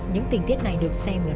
những tình tiết này được xem là